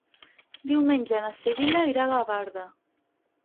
Diumenge na Sibil·la irà a Gavarda.